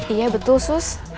iya betul sus